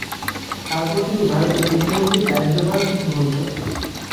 তারপরে তিনি ভারতের কৃষি মন্ত্রীর কার্যভার গ্রহণ করেন।